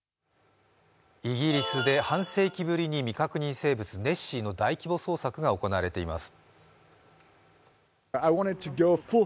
イギリスで半世紀ぶりに未確認生物、ネッシーの大規模捜索が行われています。